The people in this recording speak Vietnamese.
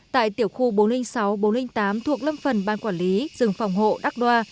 tại tiểu khu bốn trăm linh sáu bốn trăm linh tám thuộc lâm phần ban quản lý rừng phòng hộ đắc đoa